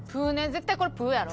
絶対これプゥやろ。